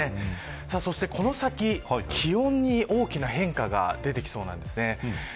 この先気温に大きな変化が出てきそうです。